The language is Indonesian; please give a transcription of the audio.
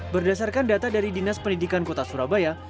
berdasarkan data dari dinas pendidikan kota surabaya